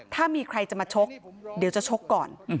ถ้ามีใครจะมาชกเดี๋ยวจะชกก่อน